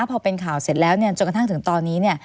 พอเป็นข่าวเสร็จแล้วจนกระทั่งถึงตอนนี้